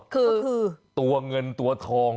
คือตัวเงินตัวทอง